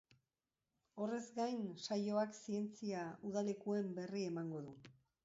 Horrez gain, saioak zientzia udalekuen berri emango du.